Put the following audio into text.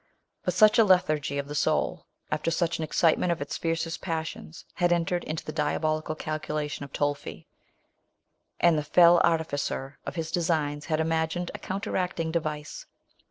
But such a lethargy of the soul, after such an excitement of its fiercest passions, had entered into the diabolical calculations of Tolfi; and the fell artificer of his designs had imagined a counteracting de vice.